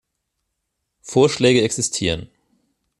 Vorschläge existieren.